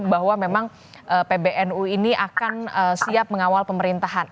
bahwa memang pbnu ini akan siap mengawal pemerintahan